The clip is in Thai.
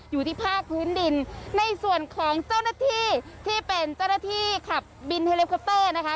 อยู่ที่ภาคพื้นดินในส่วนของเจ้าหน้าที่ที่เป็นเจ้าหน้าที่ขับบินเฮลิคอปเตอร์นะคะ